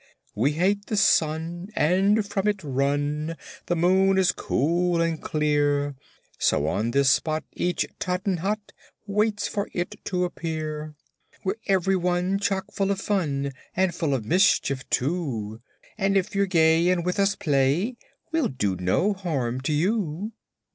"We hate the sun and from it run, The moon is cool and clear, So on this spot each Tottenhot Waits for it to appear. "We're ev'ry one chock full of fun, And full of mischief, too; But if you're gay and with us play We'll do no harm to you.